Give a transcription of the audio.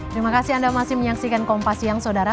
terima kasih anda masih menyaksikan kompas siang saudara